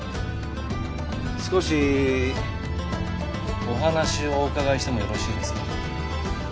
少しお話をお伺いしてもよろしいですか？